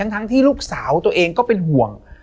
ทั้งที่ลูกสาวตัวเองก็เป็นห่วง